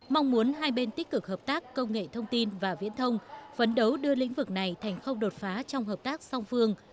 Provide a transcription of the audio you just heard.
mong muốn hai bên tích cực hợp tác công nghệ thông tin và viễn thông phấn đấu đưa lĩnh vực này thành không đột phá trong hợp tác song phương